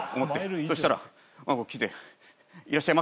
そしたら来て「いらっしゃいませ。